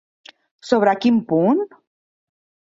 Sobre quin punt?